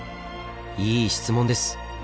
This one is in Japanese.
いい質問です。